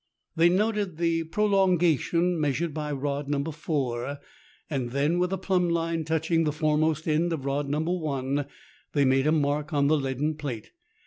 They noted the prolongation measured by rod " No. 4," and then with a plumb line touching the foremost end of rod " No. I," they made a mark on the leaden plate.